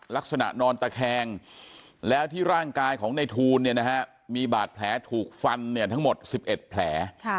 นอนตะแคงแล้วที่ร่างกายของในทูลมีบาดแผลถูกฟันทั้งหมด๑๑แผล